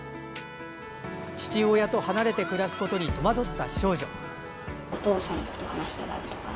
父親と離れて暮らすことに戸惑った少女。